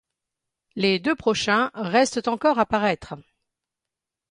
Les deux prochains restent encore à paraitre.